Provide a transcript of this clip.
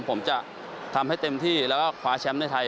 ผมจะทำให้เต็มที่แล้วก็คว้าแชมป์ในไทย